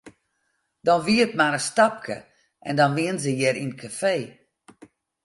Dan wie it mar in stapke en dan wienen se hjir yn it kafee.